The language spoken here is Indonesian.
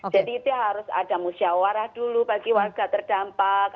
jadi itu harus ada musyawarah dulu bagi warga terdampak